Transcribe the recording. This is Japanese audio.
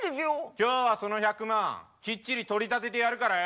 今日はその１００万きっちり取り立ててやるからよ。